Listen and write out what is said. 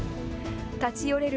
立ち寄れる